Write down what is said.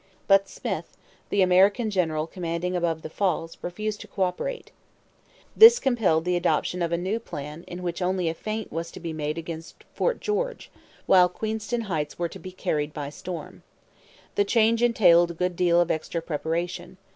But Smyth, the American general commanding above the Falls, refused to co operate. This compelled the adoption of a new plan in which only a feint was to be made against Fort George, while Queenston Heights were to be carried by storm. The change entailed a good deal of extra preparation.